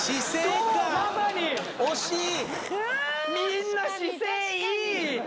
みんな姿勢良い！